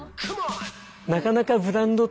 なかなかブランドとして